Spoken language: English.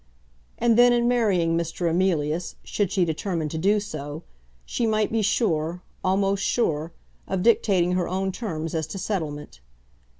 And then in marrying Mr. Emilius, should she determine to do so, she might be sure, almost sure, of dictating her own terms as to settlement.